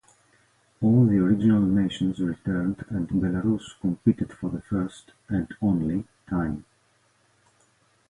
All the original nations returned and Belarus competed for the first (and only) time.